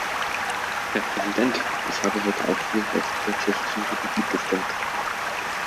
Herr Präsident! Ich habe heute auch für den Beitritt der Tschechischen Republik gestimmt.